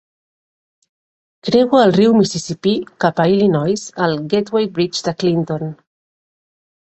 Creua el riu Mississipí cap a Illinois al Gateway Bridge de Clinton.